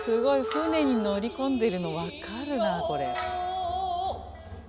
舟に乗り込んでいるの分かるなこれ。